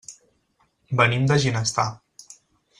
Venim de Ginestar.